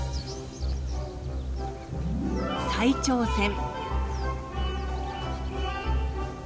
再挑戦。